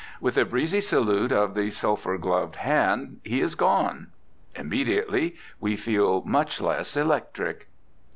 With a breezy salute of the sulphur gloved hand, he is gone. Immediately we feel much less electric.